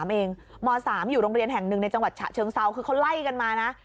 เองม๓อยู่โรงเรียนแห่งหนึ่งในจังหวัดฉะเชิงเซาคือเขาไล่กันมานะ